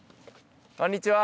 こんにちは。